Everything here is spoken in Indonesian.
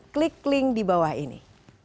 klik link di bawah ini